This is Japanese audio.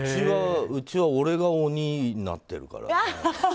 うちは俺が鬼になってるから。